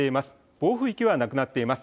暴風域はなくなっています。